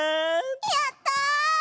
やった！